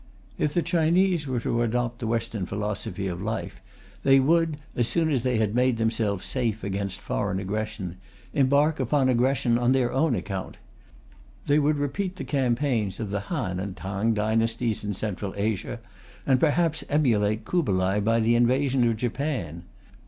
If the Chinese were to adopt the Western philosophy of life, they would, as soon as they had made themselves safe against foreign aggression, embark upon aggression on their own account. They would repeat the campaigns of the Han and Tang dynasties in Central Asia, and perhaps emulate Kublai by the invasion of Japan.